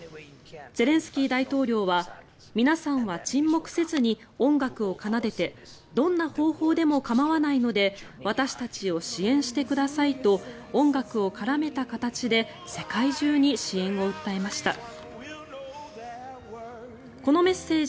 ゼレンスキー大統領は皆さんは沈黙せずに音楽を奏でてどんな方法でも構わないので私たちを支援してくださいと音楽を絡めた形で世界中に支援を訴えました。